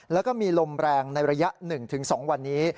แล้วก็มีลมแรงในระยะ๑๒วันนี้